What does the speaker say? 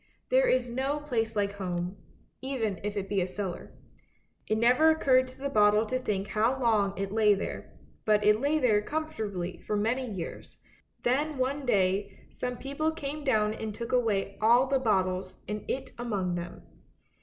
There is no place like home, even if it be a cellar. It never occurred to the bottle to think how long it lay there, but it lay there comfortably for many years; then one day some people came down and took away all the bottles and it among them.